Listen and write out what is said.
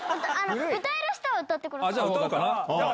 歌える人は歌ってください。